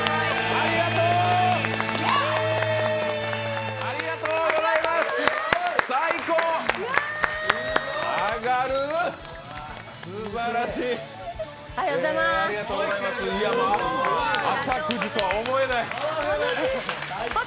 ありがとう！